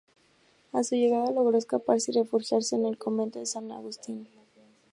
A su llegada logró escaparse y refugiarse en el convento de San Agustín.